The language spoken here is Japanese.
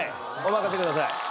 お任せください。